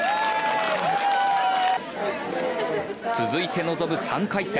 続いて臨む３回戦。